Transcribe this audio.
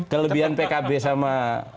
kelebihan pkb sama